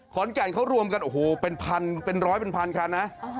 ขอนแก่นเขารวมกันโอ้โหเป็นพันเป็นร้อยเป็นพันคันนะ